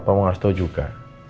pak tomo harus tahu juga